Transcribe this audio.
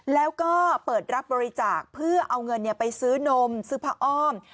แล้วก็เปิดรับบริจาคเพื่อเอาเงินไปซื้อนมซื้อผ้าอ้อม